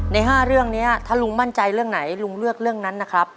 ใน๕เรื่องนี้ถ้าลุงมั่นใจเรื่องไหนลุงเลือกเรื่องนั้นนะครับ